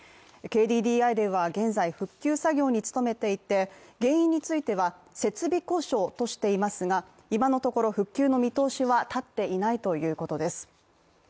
ＫＤＤＩでは現在、復旧作業に努めていて原因については設備故障としていますが、今のところ復旧の見通しは立っていないということです。